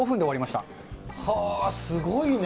すごいね。